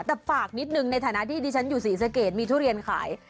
แต่ฝากนิดนึงในฐานะที่ดิฉันอยู่ศรีสะเกดมีทุเรียนขาย